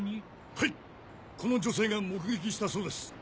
はいこの女性が目撃したそうです。